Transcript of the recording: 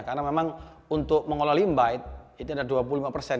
karena memang untuk mengolah limbah itu ada dua puluh lima dari komponen produksi gitu